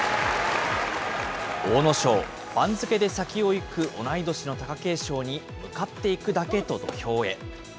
阿武咲、番付で先をいく同い年の貴景勝に向かっていくだけと土俵へ。